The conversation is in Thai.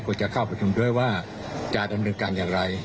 จะเข้าประชุมด้วยว่าจะดำเนินการอย่างไร